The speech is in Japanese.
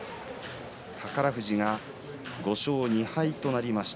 宝富士が５勝２敗となりました。